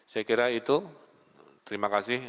saya kira itu terima kasih